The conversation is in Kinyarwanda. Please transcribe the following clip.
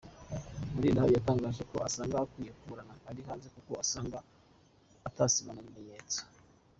Mulindahabi yatangaje ko asanga akwiye kuburana ari hanze kuko asanga atasibanganya ibimeyetso.